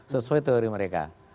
sesuai teori mereka